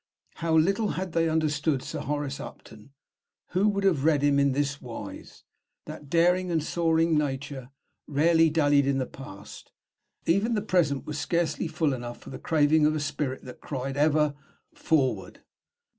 How little had they understood Sir Horace Upton who would have read him in this wise! That daring and soaring nature rarely dallied in the past; even the present was scarcely full enough for the craving of a spirit that cried ever, "Forward!"